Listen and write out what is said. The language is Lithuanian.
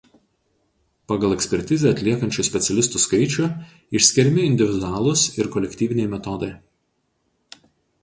Pagal ekspertizę atliekančių specialistų skaičių išskiriami individualūs ir kolektyviniai metodai.